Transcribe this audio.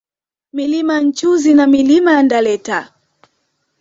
Milima ya Nchuzi na Milima ya Ndaleta